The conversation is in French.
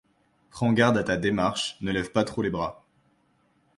Prends garde à ta démarche, ne lève pas trop les bras.